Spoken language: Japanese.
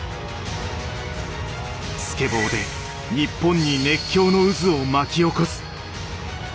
スケボーで日本に熱狂の渦を巻き起こす。